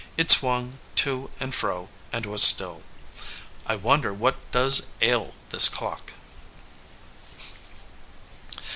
It swung to and fro, and was still. "I wonder what does ail this clock."